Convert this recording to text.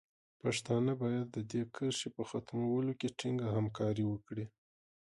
پښتانه باید د دې کرښې په ختمولو کې ټینګه همکاري وکړي.